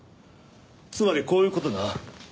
つまりこういう事か？